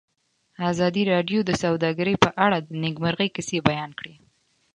ازادي راډیو د سوداګري په اړه د نېکمرغۍ کیسې بیان کړې.